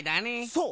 そう！